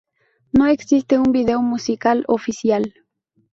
No existe un vídeo musical oficial.